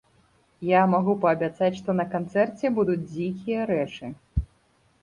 Я магу паабяцаць, што на канцэрце будуць дзікія рэчы!